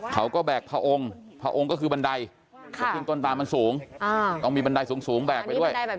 แบกพระองค์พระองค์ก็คือบันไดแต่ขึ้นต้นตามันสูงต้องมีบันไดสูงแบกไปด้วย